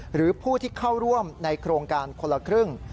หรือผู้ที่เข้าร่วมในโครงการคนละครึ่ง